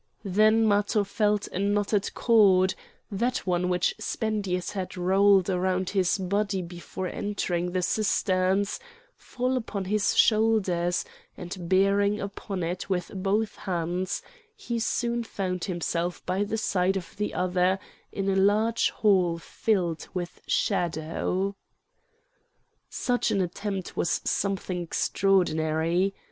Then Matho felt a knotted cord—that one which Spendius had rolled around his body before entering the cisterns—fall upon his shoulders, and bearing upon it with both hands he soon found himself by the side of the other in a large hall filled with shadow. Such an attempt was something extraordinary.